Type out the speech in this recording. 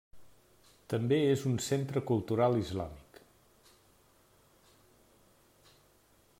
També és un centre cultural islàmic.